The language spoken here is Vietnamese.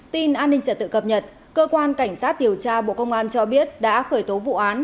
tin an ninh trật tự cập nhật cơ quan cảnh sát điều tra bộ công an cho biết đã khởi tố vụ án